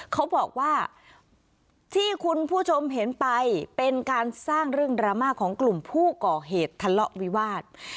เขาบอกว่าที่คุณผู้ชมเห็นไปเป็นการสร้างเรื่องดราม่าของกลุ่มผู้ก่อเหตุทะเลาะวิวาส